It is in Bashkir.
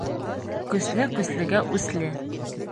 Көслө көслөгә үсле.